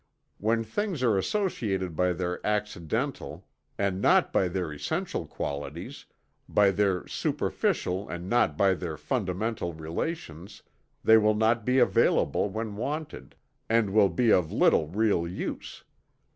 When things are associated by their accidental, and not by their essential qualities, by their superficial, and not by their fundamental relations, they will not be available when wanted, and will be of little real use.